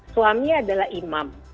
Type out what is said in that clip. suami adalah imam